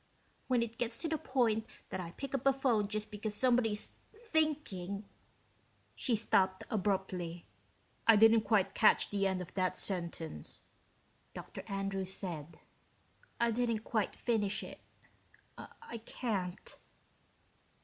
When it gets to the point that I pick up a phone just because somebody's thinking...." She stopped abruptly. "I didn't quite catch the end of that sentence," Dr. Andrews said. "I didn't quite finish it. I can't."